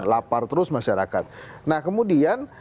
lapar terus masyarakat nah kemudian